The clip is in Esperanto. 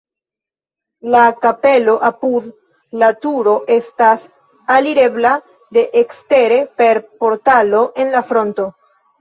La kapelo apud la turo estas alirebla de ekstere per portalo en la fronto.